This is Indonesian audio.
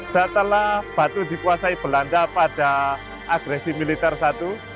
setelah batu dikuasai belanda pada agresi militer i